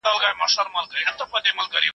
زه څنګه په خالي لاسو وتاته یم راغلی